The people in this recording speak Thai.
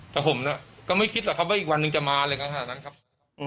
แต่ผมมึทหก็ไม่คิดเหรอครับว่าอีกวันนึงจะมาเลยค่ะพันหาสักครั้งครับ